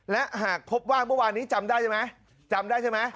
และหากพบว่างเมื่อวานนี้จำได้ไหม